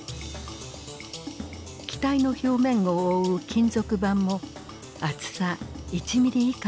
機体の表面を覆う金属板も厚さ１ミリ以下まで薄くした。